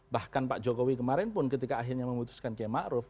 bahkan pak jokowi kemarin pun ketika akhirnya memutuskan k ma'ruf